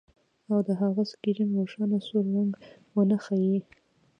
او د هغه سکرین روښانه سور رنګ ونه ښيي